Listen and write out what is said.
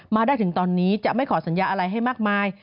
มาได้ถึงตอนนี้จะไม่ขอสัญญาอะไรให้มากมาย